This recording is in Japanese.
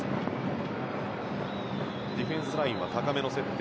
ディフェンスラインは高めの設定。